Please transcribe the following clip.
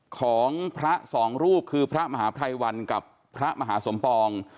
ของพระสองรูปคือพระมหาภัยวันกับพระมหาสมปอง